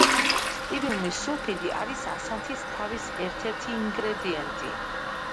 სტიბიუმის სულფიდი არის ასანთის თავის ერთ-ერთი ინგრედიენტი.